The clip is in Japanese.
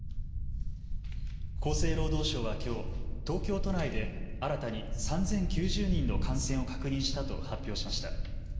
厚生労働省はきょう東京都内で新たに３０９０人の感染を確認したと発表しました。